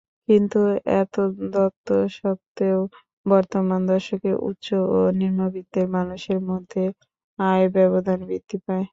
কিন্তু এতদসত্ত্বেও বর্তমান দশকে উচ্চ ও নিম্নবিত্তের মানুষের মধ্যে আয় ব্যবধান বৃদ্ধি পায়।